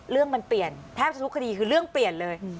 เรื่องมันเปลี่ยนแทบจะทุกคดีคือเรื่องเปลี่ยนเลย